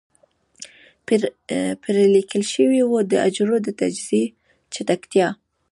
پرې ليکل شوي وو د حجرو د تجزيې چټکتيا.